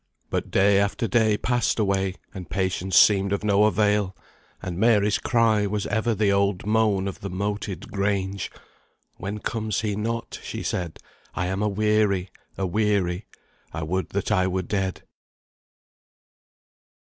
But day after day passed away, and patience seemed of no avail; and Mary's cry was ever the old moan of the Moated Grange, "Why comes he not," she said, "I am aweary, aweary, I would that I were dead."